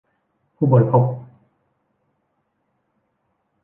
ผู้บริโภค